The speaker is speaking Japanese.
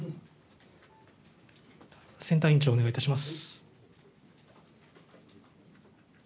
選対委員長、お願いします。